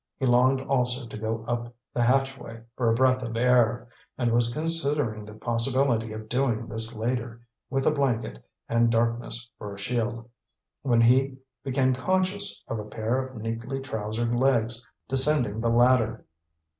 He longed also to go up the hatchway for a breath of air, and was considering the possibility of doing this later, with a blanket and darkness for a shield, when he became conscious of a pair of neatly trousered legs descending the ladder.